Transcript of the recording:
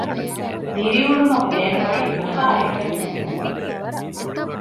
ދިރިއުޅުމަށް ބޭނުން ވަނީ އުފާ އެކަންޏެއް ނޫން